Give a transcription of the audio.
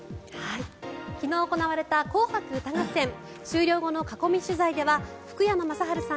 昨日行われた「紅白歌合戦」終了後の囲み取材では福山雅治さん